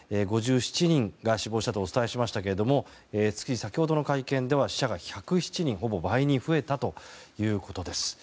５７人が死亡したとお伝えしましたけれどもつい先ほどの会見で死者が１０７人、ほぼ倍に増えたということです。